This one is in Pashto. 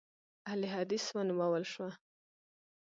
اهل حدیث ونومول شوه.